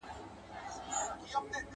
o د زرو په قدر زرگر پوهېږي.